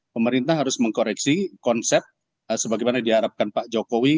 pemerintah harus mengkoreksi konsep sebagaimana diharapkan pak jokowi